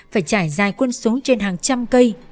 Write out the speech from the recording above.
phải trải dài quân số trên hàng trăm cây